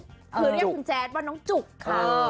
คือเรียกคุณแจ๊ดว่าน้องจุกค่ะ